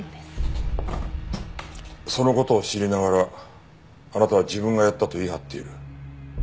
その事を知りながらあなたは自分がやったと言い張っている。